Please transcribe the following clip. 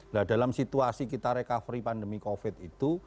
nah dalam situasi kita recovery pandemi covid itu